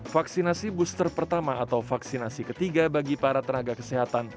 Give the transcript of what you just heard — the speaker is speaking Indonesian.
vaksinasi booster pertama atau vaksinasi ketiga bagi para tenaga kesehatan